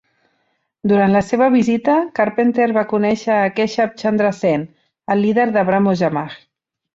Durant la seva visita, Carpenter va conèixer a Keshab Chandra Sen, el líder de Brahmo Samaj.